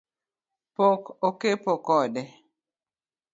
Pok okepo kode